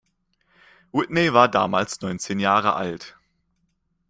Whitney war damals neunzehn Jahre alt.